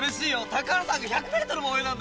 高原さんが１００メートルも泳いだんだよ。